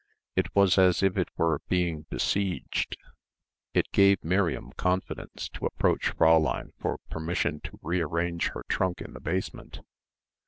It was as if it were being besieged. It gave Miriam confidence to approach Fräulein for permission to rearrange her trunk in the basement.